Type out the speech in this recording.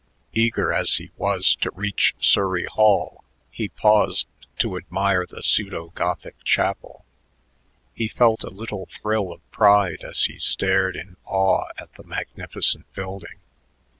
Eager as he was to reach Surrey Hall, he paused to admire the pseudo Gothic chapel. He felt a little thrill of pride as he stared in awe at the magnificent building.